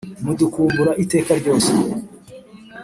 mudukumbura iteka ryose